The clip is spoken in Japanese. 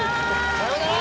さよなら！